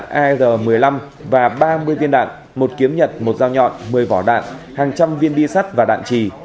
ar một mươi năm và ba mươi viên đạn một kiếm nhật một dao nhọn một mươi vỏ đạn hàng trăm viên bi sắt và đạn trì